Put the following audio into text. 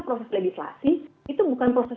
proses legislasi itu bukan proses